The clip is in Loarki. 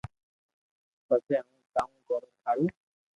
پسي ھون ڪاوُ ڪرو ٿارو